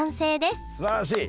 すばらしい！